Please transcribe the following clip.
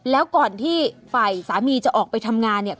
แล้วก่อนที่ฝ่ายสามีจะออกไปทำงานเนี่ย